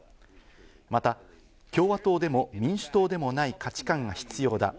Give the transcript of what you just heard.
また、共和党でも民主党でもない価値感が必要だ。